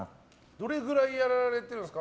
どれぐらいやられてるんですか？